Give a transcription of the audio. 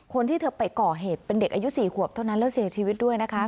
คนที่เธอไปก่อเหตุเป็นเด็กอายุ๔ขวบเท่านั้นแล้วเสียชีวิตด้วยนะคะ